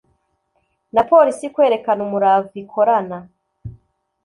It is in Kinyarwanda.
na polisi kwerekana umurava ikorana